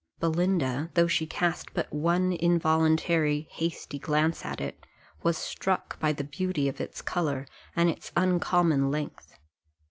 Belinda, though she cast but one involuntary, hasty glance at it, was struck with the beauty of its colour, and its uncommon length.